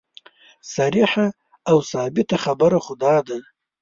صریحه او ثابته خبره خو دا ده.